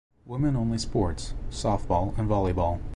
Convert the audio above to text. Women only sports: Softball and Volleyball.